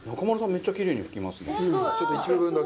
めっちゃキレイに拭きますね。